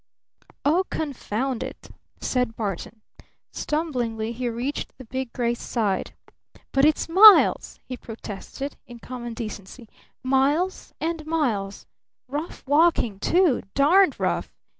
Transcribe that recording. "Oh, confound it!" said Barton. Stumblingly he reached the big gray's side. "But it's miles!" he protested in common decency. "Miles! and miles! Rough walking, too, darned rough!